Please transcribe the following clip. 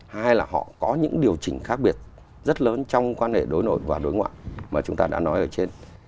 hai là họ có những điều chỉnh khác biệt rất lớn trong quan hệ đối nội và đối ngoại mà chúng ta đã nói ở trên